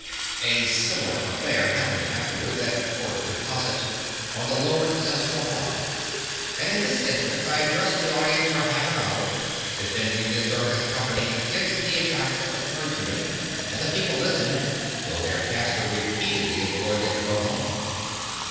A similar affair happened afterwards at Port Deposit, on the lower Susquehanna, and in this instance I addressed the audience for half an hour, defending the circus company against the attacks of the clergyman, and the people listened, though their pastor repeatedly implored them to go home.